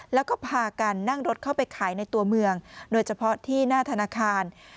แล้วก็พากันนั่งรถเข้าไปขายในตัวเมืองโดยเฉพาะที่หน้าธนาคาร